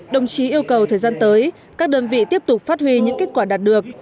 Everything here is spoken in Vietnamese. đồng chí yêu cầu thời gian tới các đơn vị tiếp tục phát huy những kết quả đạt được